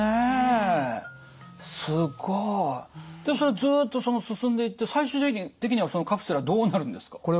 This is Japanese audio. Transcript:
でそれずっと進んでいって最終的にはそのカプセルはどうなるんですか？